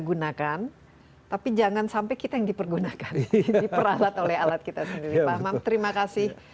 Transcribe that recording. gunakan tapi jangan sampai kita yang dipergunakan diperalat oleh alat kita sendiri pak hamam terima kasih